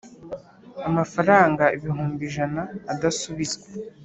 amafaranga ibihumbi ijana adasubizwa.